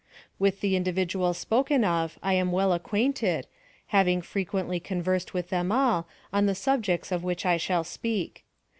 With the individuals spoken of I am well ac quainted, having frequently conversed with them all, on the subjects of which 1 shall speak.